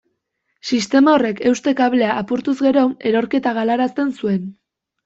Sistema horrek euste-kablea apurtuz gero, erorketa galarazten zuen.